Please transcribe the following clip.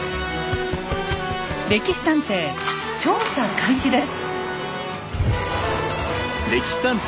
「歴史探偵」調査開始です。